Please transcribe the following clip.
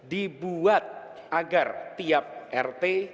dibuat agar tiap rt